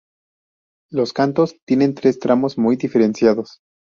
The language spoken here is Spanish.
Los "Cantos" tienen tres tramos muy diferenciados.